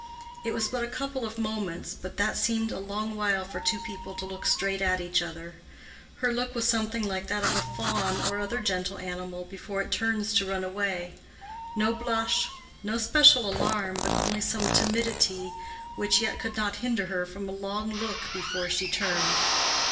It was but a couple of moments, but that seemed a long while for two people to look straight at each other. Her look was something like that of a fawn or other gentle animal before it turns to run away: no blush, no special alarm, but only some timidity which yet could not hinder her from a long look before she turned.